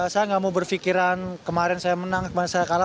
saya nggak mau berpikiran kemarin saya menang kemarin saya kalah